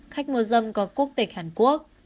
khách mua dâm có quốc tịch hàn quốc